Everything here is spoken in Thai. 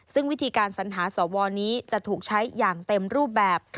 ซึ่งวิธีการสัญหาสวนี้จะถูกใช้อย่างเต็มรูปแบบ